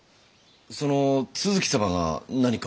その都筑様が何か？